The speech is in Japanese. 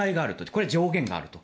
これは上限があると。